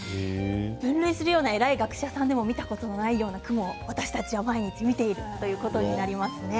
分類するような偉い学者さんでも見たことないような雲を私たちは毎日見ているということになりますね。